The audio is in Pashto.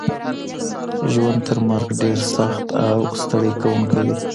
ژوند تر مرګ ډیر سخت او ستړی کوونکی دی.